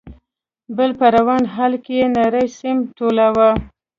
، بل په روان حال کې نری سيم ټولاوه.